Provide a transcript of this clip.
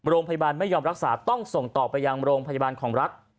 โรงพยาบาลไม่ยอมรักษาต้องส่งต่อไปยังโรงพยาบาลของรักษ์